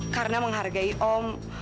karena menghargai om